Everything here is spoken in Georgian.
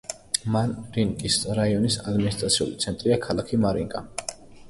მარინკის რაიონის ადმინისტრაციული ცენტრია ქალაქი მარინკა.